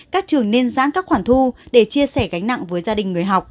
các trường nên giãn các khoản thu để chia sẻ gánh nặng với gia đình người học